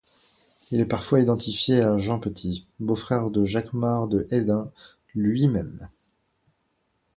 Il est parfois identifié à Jean Petit, beau-frère de Jacquemart de Hesdin lui-même.